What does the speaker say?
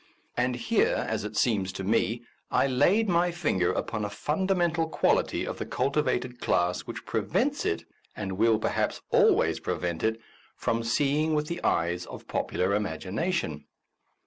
And here, as it seems to me, I laid my finger upon a fundamental quality of the cultivated class which prevents it, and will, perhaps, always prevent it from seeing with the eyes of popular imagination.